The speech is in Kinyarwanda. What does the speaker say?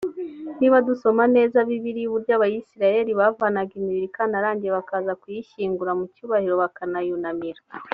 niba dusoma neza Bibiliya uburyo abayisilaheli bavanaga imibiri ikantarange bakaza kuyishyingura mu cyubahiro bakayunamira